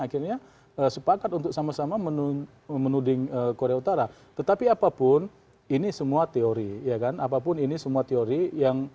kayak juga percaya kita